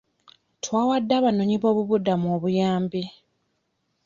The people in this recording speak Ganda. Twawadde abanoonyiboobubudamu obuyambi.